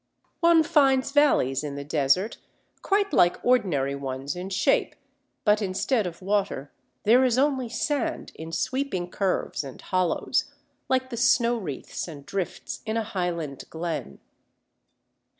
One finds valleys in the desert quite like ordinary ones in shape, but instead of water there is only sand in sweeping curves and hollows, like the snow wreaths and drifts in a highland glen.